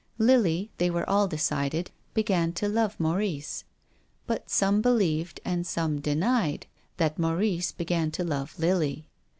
Lily, they were all decided, began to love Maurice. But some believed and some denied, that Maurice began to love Lily.